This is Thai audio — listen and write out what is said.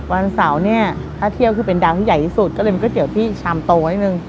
วันเสาร์เนี่ยถ้าเที่ยวคือเป็นดาวที่ใหญ่ที่สุดก็เลยเป็นก๋วที่ชามโตนิดนึง